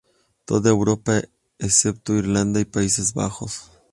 Toda Europa, excepto Irlanda y Países Bajos.